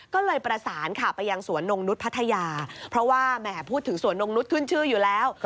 ก็เลยประสานค่ะไปยังสวนนงนุษย์พัทยาเพราะว่าแหมพูดถึงสวนนงนุษย์ขึ้นชื่ออยู่แล้ว